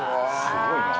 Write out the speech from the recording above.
すごいな。